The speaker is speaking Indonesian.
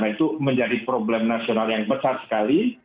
nah itu menjadi problem nasional yang besar sekali